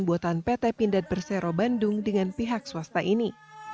buatan pt pindad persero bandung dengan pihak swasta ini